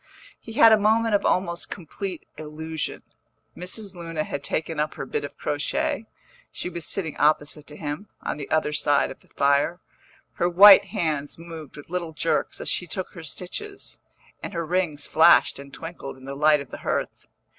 He had a moment of almost complete illusion. Mrs. Luna had taken up her bit of crochet; she was sitting opposite to him, on the other side of the fire. Her white hands moved with little jerks as she took her stitches, and her rings flashed and twinkled in the light of the hearth.